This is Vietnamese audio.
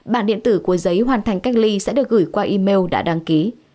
bản điện tử của giấy hoàn thành cách ly sẽ được gửi qua email đã đăng ký